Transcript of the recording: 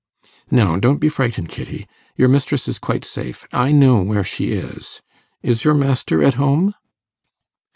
'No, don't be frightened, Kitty. Your mistress is quite safe; I know where she is. Is your master at home?